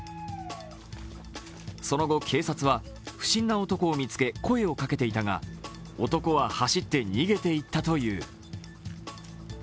その後、警察は不審な男を見つけ、声をかけていたが男は走って逃げていったという。